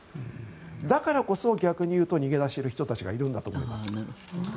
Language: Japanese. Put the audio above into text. だからこそ、逆に言うと逃げ出している人たちがいるんだと思います。